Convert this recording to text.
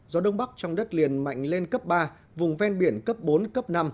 gió đông bắc trong đất liền mạnh lên cấp ba vùng ven biển cấp bốn cấp năm